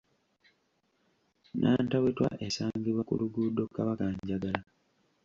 Nantawetwa esangibwa ku luguudo Kabakanjagala.